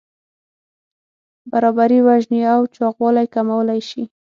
برابري وژنې او چاغوالی کمولی شي.